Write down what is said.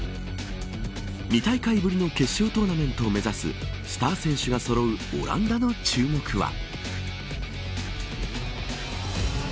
２大会ぶりの決勝トーナメントを目指すスター選手がそろうオランダの注目は。